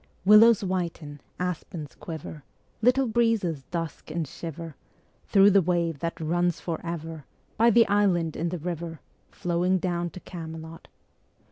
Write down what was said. Willows whiten, aspens quiver, Little breezes dusk and shiver Thro' the wave that runs for ever By the island in the river Ā Ā Flowing down to Camelot.